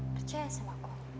percaya sama aku